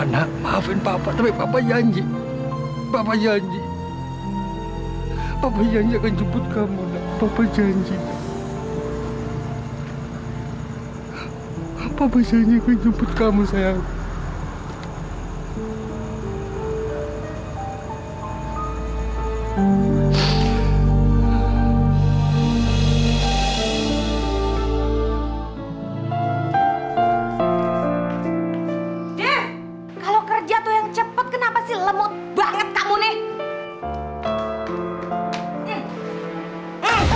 diff kalau kerja tuh yang cepet kenapa sih lemut banget kamu nih